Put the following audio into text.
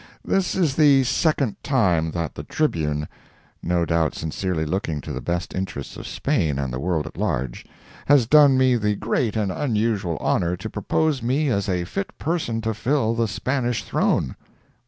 This is the second time that "The Tribune" (no doubt sincerely looking to the best interests of Spain and the world at large) has done me the great and unusual honor to propose me as a fit person to fill the Spanish throne.